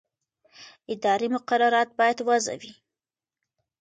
اداري مقررات باید واضح وي.